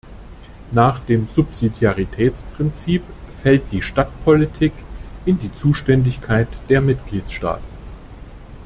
Nach dem Subsidiaritätsprinzip fällt die Stadtpolitik in die Zuständigkeit der Mitgliedstaaten.